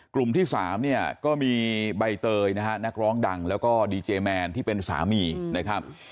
กลุ่มที่๓เนี่ยก็มีใบเตยนะฮะนักร้องดังแล้วก็ดีเจแมนที่เป็นสามีนะครับ